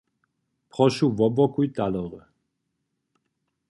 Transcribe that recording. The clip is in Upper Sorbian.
Prošu wopłokuj talery.